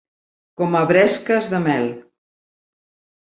Com a bresques de mel.